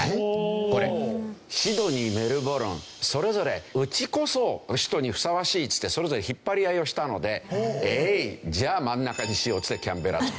それぞれうちこそ首都にふさわしいっつってそれぞれ引っ張り合いをしたのでじゃあ真ん中にしようっつってキャンベラと。